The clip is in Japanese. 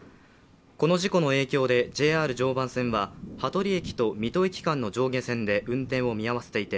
この事故の影響でＪＲ常磐線は羽鳥駅と水戸駅間の上下線で運転を見合わせていて、